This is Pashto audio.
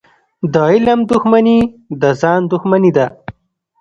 د علم دښمني د ځان دښمني ده.